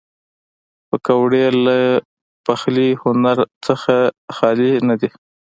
پکورې له پخلي هنر نه خالي نه دي